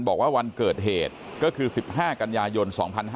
บอกว่าวันเกิดเหตุก็คือ๑๕กันยายน๒๕๕๙